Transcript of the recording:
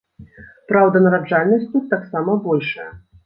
Праўда, нараджальнасць тут таксама большая!